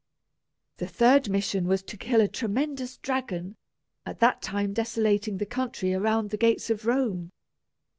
The third mission was to kill a tremendous dragon, at that time desolating the country around the gates of Rome.